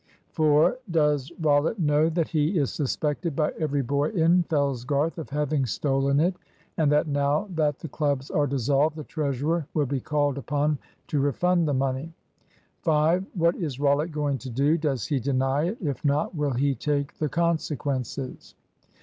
"4. Does Rollitt know that he is suspected by every boy in Fellsgarth of having stolen it; and that now that the clubs are dissolved the treasurer will be called upon to refund the money? "5. What is Rollitt going to do? Does he deny it? If not, will he take the consequences?